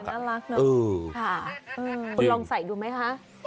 คุณลองใส่ดูไหมคะ